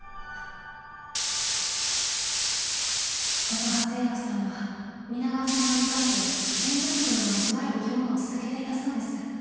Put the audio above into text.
乙葉製薬さんは皆川さんが辞めたあと人員不足のまましばらく業務を続けていたそうです。